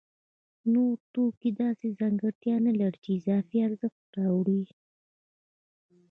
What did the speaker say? نور توکي داسې ځانګړتیا نلري چې اضافي ارزښت راوړي